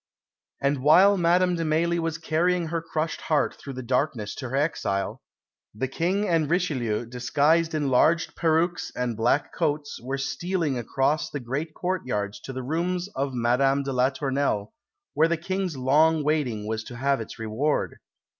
And while Madame de Mailly was carrying her crushed heart through the darkness to her exile, the King and Richelieu, disguised in large perukes and black coats, were stealing across the great courtyards to the rooms of Madame de la Tournelle, where the King's long waiting was to have its reward.